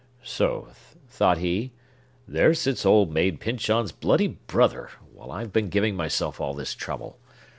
"So," thought he, "there sits Old Maid Pyncheon's bloody brother, while I've been giving myself all this trouble!